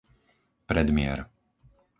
Predmier